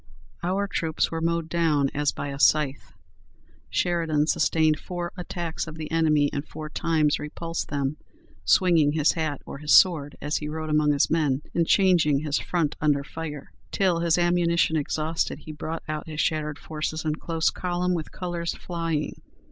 Our troops were mowed down as by a scythe. Sheridan sustained four attacks of the enemy, and four times repulsed them, swinging his hat or his sword, as he rode among his men, and changing his front under fire, till, his ammunition exhausted, he brought out his shattered forces in close column, with colors flying.